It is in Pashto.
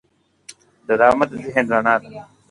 ډرامه د ذهن رڼا ده